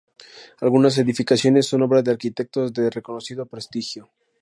Algunas edificaciones son obra de arquitectos de reconocido prestigio.